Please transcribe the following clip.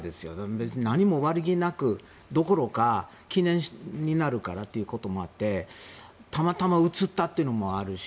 別に何も悪気なく記念になるからということもあってたまたま写ったというのもあるし。